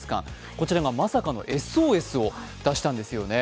こちらがまさかのＳＯＳを出したんですよね。